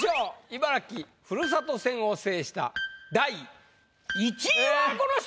茨城ふるさと戦を制した第１位はこの人！